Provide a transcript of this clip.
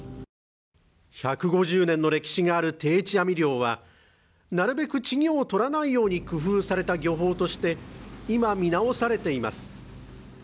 １５０年の歴史がある定置網漁は、なるべく稚魚を取らないように工夫された漁法として今見直されています。